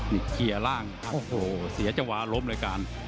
นี่เคลียร์ร่างครับโอ้โหเสียจังหวะล้มรายการ